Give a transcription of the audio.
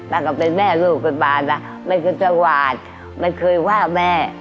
แต่ก็เป็นแม่ลูกไปบ้านนะมันก็จะหวานมันเคยว่าแม่